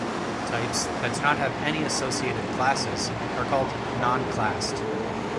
Types that do not have any associated classes are called "non-classed".